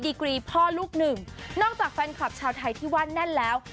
กรีพ่อลูกหนึ่งนอกจากแฟนคลับชาวไทยที่ว่าแน่นแล้ว